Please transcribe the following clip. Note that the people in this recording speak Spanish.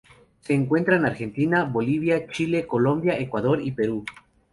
Se encuentra en Argentina, Bolivia, Chile, Colombia, Ecuador y Perú.